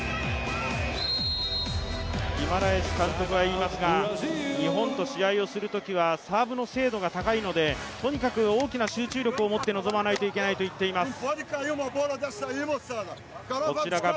ギマラエス監督は言いますが日本と試合をするときはサーブの精度が高いので、とにかく大きな集中力を持って臨まないといけないと言っています。